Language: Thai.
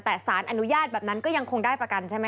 แต่สารอนุญาตแบบนั้นก็ยังคงได้ประกันใช่ไหม